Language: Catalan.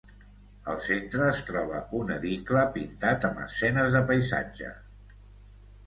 Al centre es troba un edicle pintat amb escenes de paisatge.